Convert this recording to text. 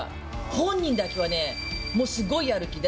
本人だけはね、もうすごいやる気で。